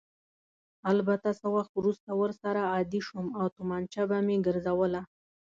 البته څه وخت وروسته ورسره عادي شوم او تومانچه به مې ګرځوله.